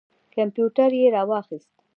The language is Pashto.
کمپیوټر یې را واخیست.